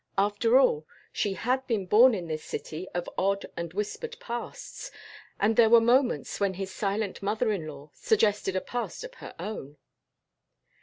After all, she had been born in this city of odd and whispered pasts, and there were moments when his silent mother in law suggested a past of her own.